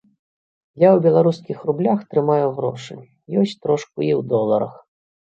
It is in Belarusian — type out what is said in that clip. Я ў беларускіх рублях трымаю грошы, ёсць трошку і ў доларах.